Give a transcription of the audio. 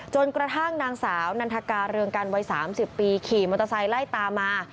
จนกระทั่งนางสาวนันทกาเรืองกันวัย๓๐ปีขี่มอเตอร์ไซค์ไล่ตามมา